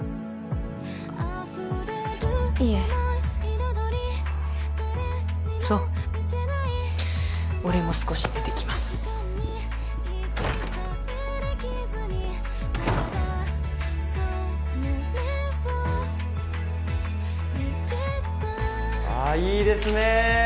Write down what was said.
いえそう俺も少し出てきますあっいいですね